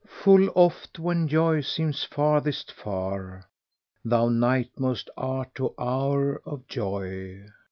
Full oft when joy seems farthest far * Thou nighmost art to hour of joy."'